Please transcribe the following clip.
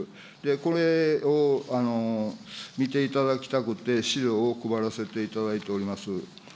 これを見ていただきたくて、資料を配らせていただいております。